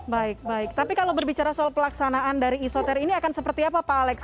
baik baik tapi kalau berbicara soal pelaksanaan dari isoter ini akan seperti apa pak alex